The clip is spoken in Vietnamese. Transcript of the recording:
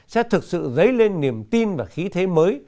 sẽ thực sự dấy lên niềm tin và khí thế mới